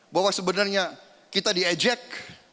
bahwa sebenarnya kita di eject